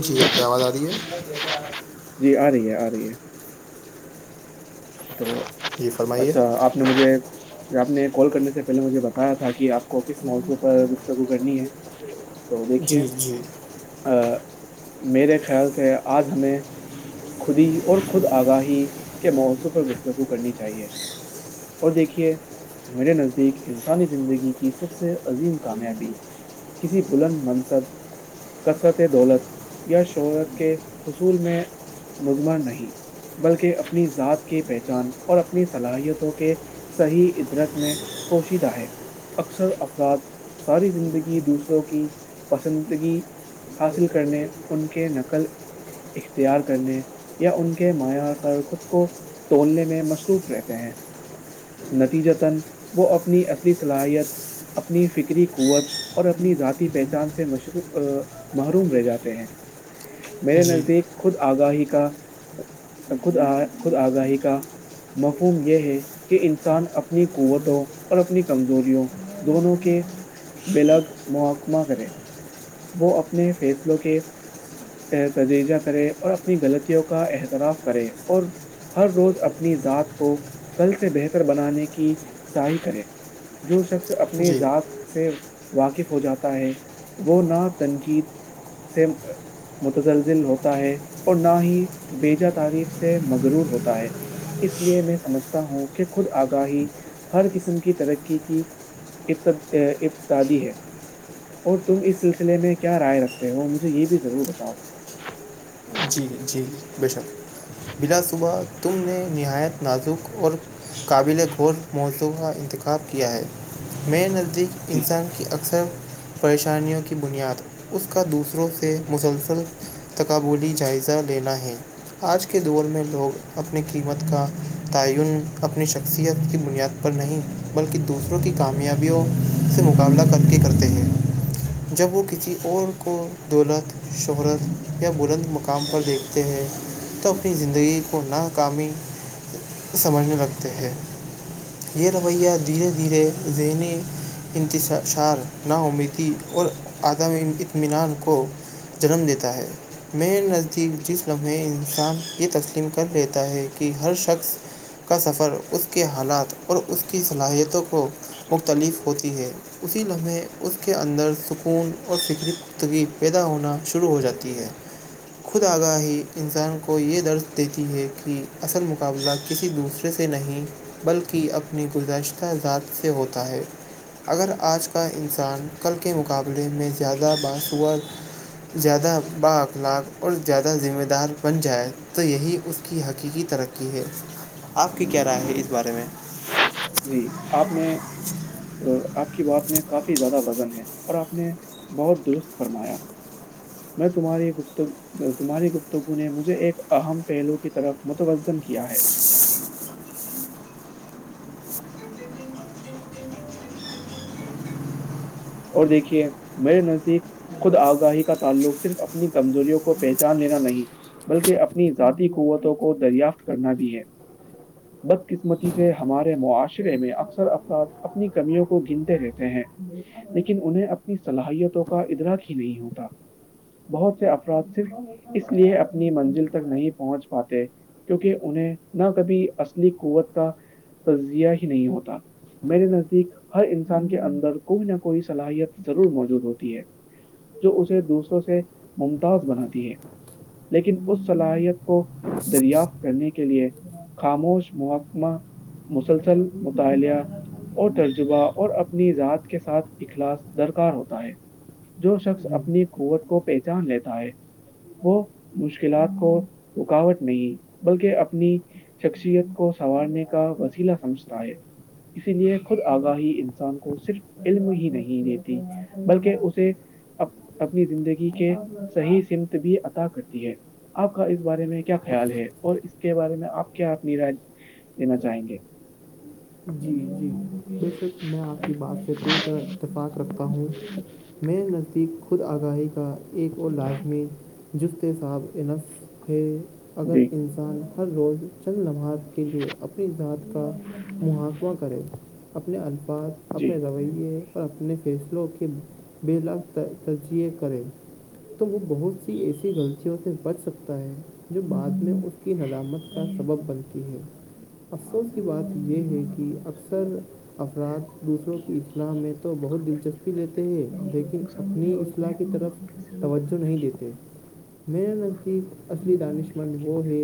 جی آپ کی آواز آ رہی ہے جی آ رہی ہے آ رہی ہے تو جی فرمائیے اچھا آپ نے مجھے آپ نے کال کرنے سے پہلے مجھے بتایا تھا کہ آپ کو کس موضع پر گفتگو کرنی ہے [unintelligible] تو دیکھیے جی جی میرے خیال سے آج ہمیں خودی اور خود آگاہی کے موضوع پر گفستفو کرنی چاہیے وہ دیکھیے میرے نزدیک انسانی زندگی کی سب سے عظیم کامیابی کسی بلند منصب کثرت دولت یا شہرت کے حصول میں مضمر نہیں بلکہ اپنی ذات کی پہچان اور اپنی صلاحیتوں کے صحیح ادرک میں کوشیدہ ہے اکثر افراد ساری زندگی دوسروں کی پسندگی حاصل کرنے ان کے نقل اختیار کرنے یا ان کے معیار پر خود کو توڑنے میں مصروف رہتے ہیں نتیج تن وہ اپنی اصلی صلاحیت اپنی فکری قوت اور اپنی ذاتی پہچان سے مشرو محروم رہ جاتے ہیں میرے جی نزدیک خود آگاہی کا خود خود آگاہی کا مفہوم یہ ہے کہ انسان اپنی قوتوں اور اپنی کمزوریوں دونوں کے ب لگ محکمہ کرے وہ اپنے فیصلوں کے تججہ کرے اور اپنی غلطیوں کا احتراف کرے اور ہر روز اپنی ذات کو کل سے بہتر بنانے کی صائی کرے جو شخص اپنی جی ذات سے واقف ہو جاتا ہے وہ نہ تنقید سے متزلزل ہوتا ہے اور نہ ہی بیےجا تعریف سے مغرور ہوتا ہے اس لیے میں سمجھتا ہوں کہ خود آگاہی ہر قسم کی ترقی کی ا اتتاد ہے اور تم اس سلسلے میں کیا رائے رکھتے ہو مجھے یہ بھی ضرور بتاؤ جی جی بے شک بلا صبح تم نے نہایت نازک اور قابل گور مولتوں کا انتخاب کیا ہے م نزدیک جی انسان کی اکثر پریشانیوں کی بنیاد اس کا دوسروں سے مسلسل تقابولی جائزہ لینا ہے آج کے دور میں لوگ اپنی قیمت کا تعین اپنی شخصیت کی بنیاد پر نہیں بلکہ دوسروں کی کامیابیوں سے مقابلہ کر کے کرتے ہیں جب وہ کسی اور کو دولت شہرت یا بلند مقام پر دیکھتے ہیں تو اپنی زندگی کو ناکامی سمجھنے لگتے ہیں یہ رویہ دھیرے دھیرے ذہنی انتششار نا امید اور عدم اطمینان کو جنم دیتا ہے میں نظ تھی جس لمحے انسان یہ تسلیم کر لیتا ہے کہ ہر شخص کا سفر اس کے حالات اور اس کی صلاحیتوں کو مختلف ہوتی ہے اسی لمحے اس کے اندر سکون اور فکری پتگی پیدا ہونا شروع ہو جاتی ہے خود آگاہی انسان کو یہ درد دیتی ہے کہ اصل مقابلہ کسی دوسرے سے نہیں بلکہ اپنی گزشتہ ذات سے ہوتا ہے اگر آج کا انسان کل کے مقابلے میں زیادہ باش ہوا زیادہ بھاخ لاک اور زیادہ ذمہ دار بن جائے تو یہی اس کی حقیقی ترقی ہے آپ کی کیا رائے ہے اس بارے میں جی آپ نے آپ کی بات میں کافی زیادہ وزن ہے اور آپ نے بہت درست فرمایا میں تمہاری ایک گپتم تمہاری گفتگو نے مجھے ایک اہم پہلو کی طرف متوزن کیا ہے [unintelligible] [unintelligible] اور دیکھیے میرے نزدیک خود آگاہی کا تعلق صرف اپنی کمزوروں کو پہچان لینا نہیں بلکہ اپنی ذاتی قوتوں کو دریافت کرنا بھی ہے [unintelligible] بدقسمتی سے ہمارے معاشرے میں اکثر افراد اپنی کمیوں کو گنتے رہتے ہیں لیکن انہیں اپنی صلاحیتوں کا ادراک ہی نہیں ہوتا بہت سے افراد صرف اس لیے اپنی منزل تک نہیں پہنچ پاتے کیونکہ انہیں نہ کبھی اصلی قوت کا تجزیہ ہی نہیں ہوتا میرے نزدیک ہر انسان کے اندر کوئی نہ کوئی صلاحیت ضرور موجود ہوتی ہے جو اسے دوسروں سے ممتاز بناتی ہے لیکن اس صلاحیت کو دریافت کرنے کے لیے خاموش محکمہ مسلسل مطالعہ اور ترجبہ اور اپنی ذات کے ساتھ اخلاص درکار ہوتا ہے جو شخص اپنی قوت کو پہچان لیتا ہے وہ مشکلات کو رکاوٹ نہیں بلکہ اپنی شخصیت کو سنوارنے کا وسیلا سمجھتا ہے اسی لیے خود آگاہی انسان کو صرف علم ہی نہیں دیتی بلکہ اسے اپ- اپنی زندگی کے صحیح سمت بھی عطا کرتی ہے آپ کا اس بارے میں کیا خیال ہے اور اس کے بارے میں آپ کیا اپنی رج دینا چاہیں گے جی جی بے شک میں آپ کی بات سے پوری طرح اتفاق رکھتا ہوں میرے نزدیک خود آگاہی کا ایک اور لازمی جست صاحب انف ہے اگر جی انسان ہر روز چند لمحات کے لیے اپنی ذات کا محکمہ کرے اپنے الفاظ جی اپنے رویے اور اپنے فیصلوں کے ب لاک ترجیح کرے تو وہ بہت سی ایسی غلطیوں سے بچ سکتا ہے جو بعد میں اس کی نلامت کا سبب بنتی ہے افسوس کی بات یہ ہے کہ اکثر افراد دوسروں کی اسلام میں تو بہت دلچسپی لیتے ہیں لیکن اپنی اصلاح کی طرف توجہ نہیں دیتے میرے نزدیک اصلی دانش مند وہ ہے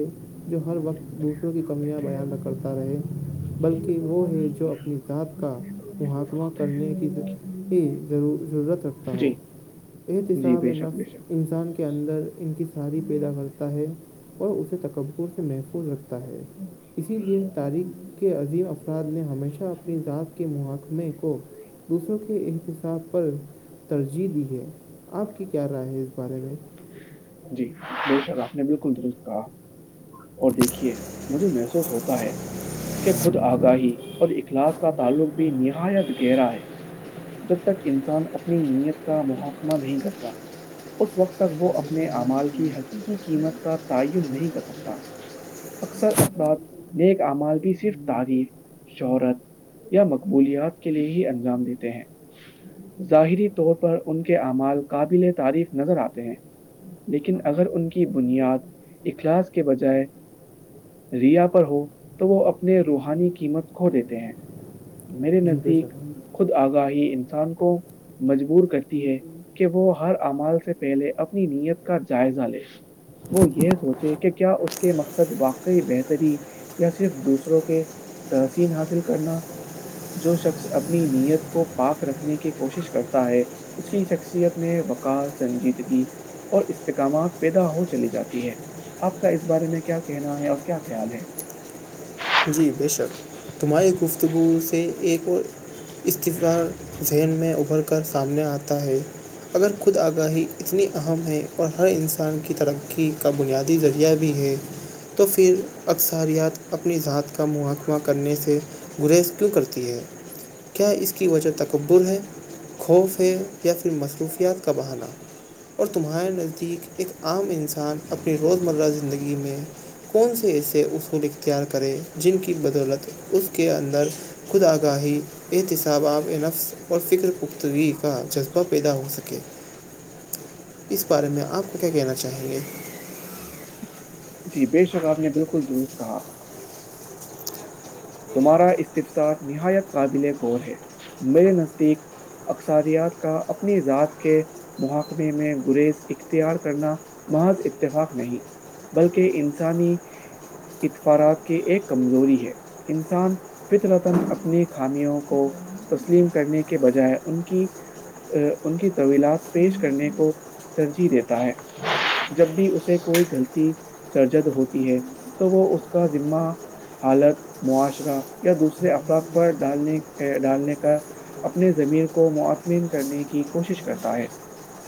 جو ہر وقت دوسر کی کمیاں بیان نہ کرتا رہے بلکہ وہ ہے جو اپنی جذات کا محکمہ کرنے کی ضرورت رکھتا ہو جی جی احتساب بے شک بے نفس شک انسان کے اندر ان کی ساری پیدا کرتا ہے اور اسے تکر سے محفوظ رکھتا ہے اسی لیے تاریخ عظیم افراد نے ہمیشہ اپنی ذات کے محکمے کو دوسروں کے احتساب پر ترجیح دی ہے آپ کی کیا رائے ہے اس بارے میں جی بے شاء اللہ آپ نے بالکل درست کہا اور دیکھیے مجھے محسوس ہوتا ہے کہ خود آگاہی اور اخلاس کا تعلق بھی نہایت گہرا ہے جب تک انسان اپنی نیت کا محکمہ نہیں کرتا اس وقت تک وہ اپنے اعمال کی حقیقی قیمت کا تعین نہیں کر سکتا اکثر افراد نیک اعمال بھی صرف تعریف شہرت یا مقبولیات کے لیے ہی انجام دیتے ہیں ظاہری طور پر ان کے اعمال قابل تعریف نظر آتے ہیں لیکن اگر ان کی بنیاد اخلاص کے بجائے ریا پر ہو تو وہ اپنے روحانی قیمت کھو دیتے ہیں میرے جی بے نزدیک شک خود آگاہی انسان کو مجبور کر کہ وہ ہر امال سے پہلے اپنی نیت کا جائزہ لے وہ یہ سوچے کہ کیا اس کے مقصد واقعی بہتری یا صرف دوسروں کے تحسین حاصل کرنا جو شخص اپنی نیت کو پاک رکھنے کی کوشش کرتا ہے اس کی شخصیت میں وقار سنجیدگی اور استکامات پیدا ہو چلی جاتی ہے آپ کا اس بارے میں کیا کہنا ہے اور کیا خیال ہے جی بے شک تمہاری گفتگو سے ایک اور استفار ذین میں ابھر کر سامنے آتا ہے اگر خود آگاہی اتنی اہم ہے اور ہر انسان کی ترقی کا بنیاد ذریعہ بھی ہیں تو پھر اکثاریات اپ اپنی ذات کا محکمہ کرنے سے گریز کیوں کرتی ہے کیا اس [unintelligible] پ یا پھر مصروفیات کا بہانا اور تمہارے نزدیک ایک عام انسان اپنی روزمرہ زندگی میں کون سے ایسے اصول اختیار کرے جن کی بدولت اس کے اندر خود آگاہی احتساب آام نفس اور فکر پختگی کا جگہ پیدا ہو سکے اس بارے میں آپ کو کیا کہنا چاہیں گے جی بے شک آپ نے بالکل درست کہا [unintelligible] تمہارا استفسار نہایت قابل غور ہے میرے نزدیک اکساریات کا اپنی ذات کے محااکمے میں گریز اختیار کرنا محذ اتفاق نہیں بلکہ انسانی اطفارات کی ایک کمزوری ہے انسان پت رتن اپنی خامیوں کو تسلیم کرنے کے بجائے ان کی ان کی طویلات پیش کرنے کو ترجیح دیتا ہے جب بھی اسے کوئی غلطی سرجد ہوتی ہے تو وہ اس کا ذمہ حالت معاشرہ یا دوسرے افراد پر ڈالنے ڈالنے کا اپنے زمیر کو مطمین کرنے کی کوشش کرتا ہے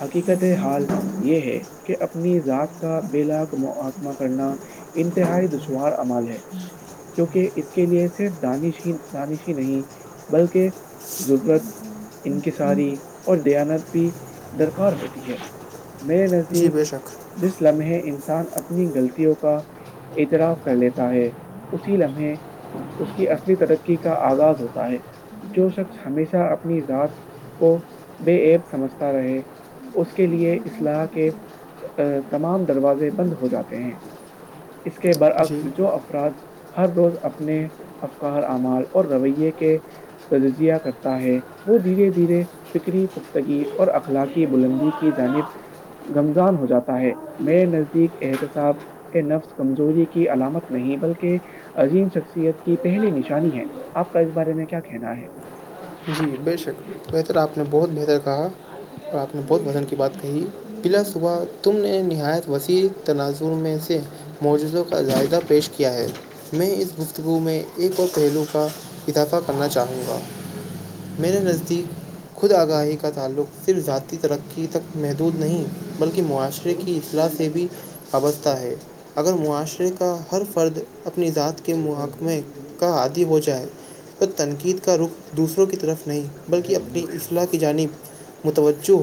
حقیقت حال یہ ہے کہ اپنی ذات کا بلاگ محکمہ کرنا انتہائی دشوار امال ہے کیونکہ اس کے لیے صرف دانش ہی دانش ہی نہیں بلکہ ضرورت ان کے ساری اور دیانت بھی درکار ہوتی ہے میرے جی نزدیک بے شک جس لمحے انسان اپنی غلطوں کا اعتراف کر لیتا ہے اسی لمحے اس کی اصلی ترقی کا آغاز ہوتا ہے جو شخص ہمیشہ اپنی ذات کو بےع سمجھتا رہے اس کے لیے اسلاح کے تمام دروازے بند ہو جاتے ہیں اس کے برعکس جی جو افراد ہر روز اپنے افکار اعمال اور رویے کے تجزیہ کرتا ہے وہ دھیرے دھیرے فکری پختگی اور اخلاقی بلندی کی جانب گمزان ہو جاتا ہے میرے نزدیک احتسااب کہ نفس کمزوری کی علامت نہیں بلکہ عظیم شخصیت کی پہلی نشانی ہے آپ کا اس بارے میں کیا کہنا ہے جی بے شک بہتر آپ نے بہت بہتر کہا اور آپ نے بہت وزن کی بات کہی بلا صبح تم نے نہایت وسیع تناظر میں سے موجزوں کا جائدہ پیش کیا ہے میں اس گفتگو میں ایک اور پہلو کا اضافہ کرنا چاہوں گا [unintelligible] میرے نزدیک خود آگاہی کا تعلق صرف ذاتی ترقی تک محدود نہیں بلکہ معاشرے کی اصلاح سے بھی وابستہ ہے اگر معاشرے کا ہر فرد اپنی ذات کے محکمے کا عادی ہو جائے تو تنقید کا رخ دوسروں کی طرف نہیں بلکہ اپبنے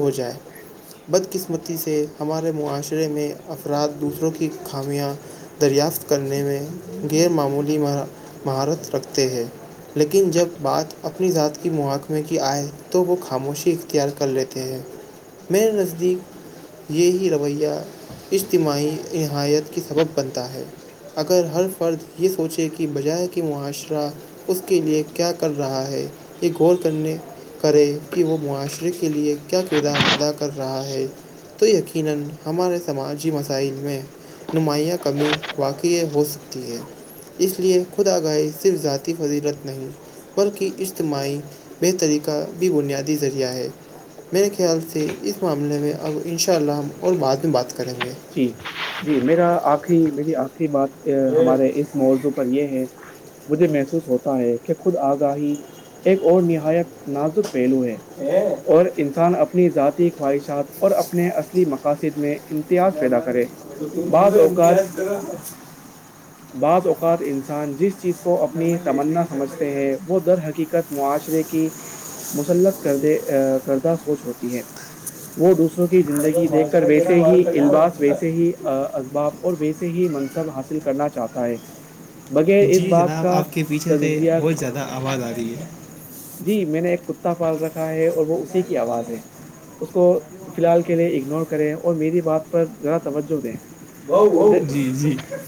ہو جائے بدقسمتی سے ہمارے معاشرے میں افراد دوسروں کی خامیاں دریافت کرنے میں غیر معمولی مہارت رکھتے ہیں لیکن جب بات اپنی ذات کی مواق میںے کی آئے تو وہ خاموشی اختیار کر لیتے ہیں میرے نزدیک یہی رویہ اجتماعی نہایت کے سبب بنتا ہے اگر ہر فرد یہ سوچے کہ بجائے کہ معاشرہ اس کے لیئے کیا کر رہا ہے ہے یہ غورنے کریں کہ وہ معاشرے کے لئے کیا کردار ادا کر رہا ہے تو یقینا ہمارے سماجی مسائل میں نمایاں کمی واقعی ہو سکتی ہے اس لیے خوداگاہی صرف ذاتی فضیلت نہیں بلکہ اجتماعی بے طریقہ بھی بنیادی ذریعہ ہے میرے خیال سے اس معاملے میں اب ان شاء اللہ ہم اور بعد میں بات کریں گے جی جی میرا آخری میری آخری بات ہمارے اس موضوع پر یہ ہے مجھے محسوس ہوتا ہے کہ خود آگاہی ایک اور نہایت نازک پہلو ہے اور انسان اپنی ذاتی خواہشات اور اپنے اصلی مقاصد میں امتیاز پیدا کرے بعض اوقات [unintelligible] بعض اوقات انسان جس چیز کو اپنی تمنا سمجھتے ہیں وہ در حقیقت معاشرے کی مسلق کرد کردہ سوچ ہوتی ہے وہ دوسروں کی زندگی دیکھ کر ویسے ہی الباس ویسے ہی اسباب اور ویسے سے ہی منصب حاصل کرنا چاہتا ہے بغیر اس جی بات جناب کا آپ کے پیچھے سے تجزیہ بہت زیادہ آواز آ رہی ہے جی میں نے ایک کتا پال رکھا ہے اور وہ اسی کی آواز ہے اس کو فی الحال کے لیے اگنور کریں اور میری بات پر ذرا توجہ دیں جی جی [unintelligible]